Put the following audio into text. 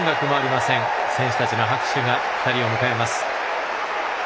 選手たちの拍手が２人を迎えます。